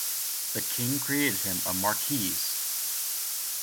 The king created him a marquis.